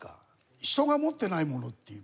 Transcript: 人が持ってないものっていうか